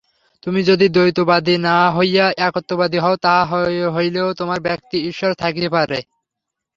তুমি যদি দ্বৈতবাদী না হইয়া একত্ববাদী হও, তাহা হইলেও তোমার ব্যক্তি-ঈশ্বর থাকিতে পারে।